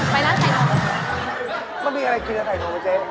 มันมีอะไรกินใส่นมอ่ะเจ๊